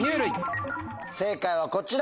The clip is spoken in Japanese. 正解はこちら。